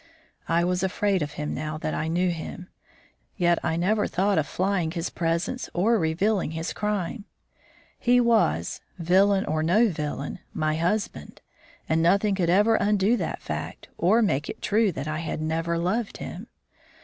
I was afraid of him now that I knew him, yet I never thought of flying his presence or revealing his crime. He was, villain or no villain, my husband, and nothing could ever undo that fact or make it true that I had never loved him.